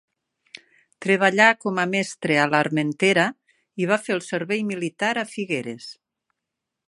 Treballà com a mestre a l'Armentera i va fer el servei militar a Figueres.